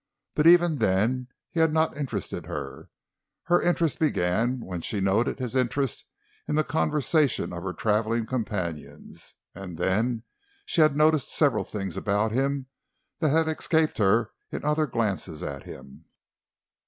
But even then he had not interested her; her interest began when she noted his interest in the conversation of her traveling companions. And then she had noticed several things about him that had escaped her in other glances at him.